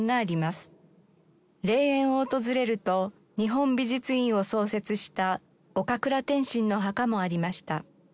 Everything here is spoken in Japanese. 霊園を訪れると日本美術院を創設した岡倉天心の墓もありました。